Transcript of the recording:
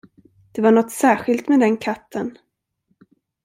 Det var något särskilt med den katten.